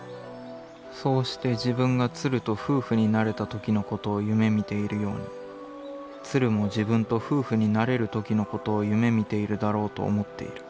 そうして自分が鶴と夫婦になれた時のことを夢みているように鶴も自分と夫婦になれる時のことを夢見ているだろうと思っている。